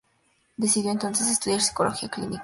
Decidió entonces estudiar Psicología Clínica.